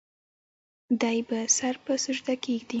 دے به سر پۀ سجده کيږدي